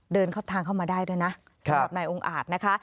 เดินทางเข้ามาได้ด้วยนะสำหรับในองค์อาทธรรมนะคะ